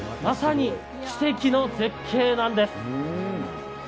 まさに奇跡の絶景なんです。